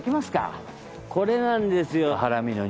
これなんですよハラミの肉。